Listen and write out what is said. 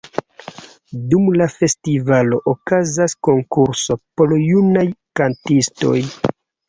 Dum la festivalo okazas konkurso por junaj kantistoj.